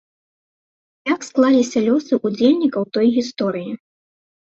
Як склаліся лёсы ўдзельнікаў той гісторыі?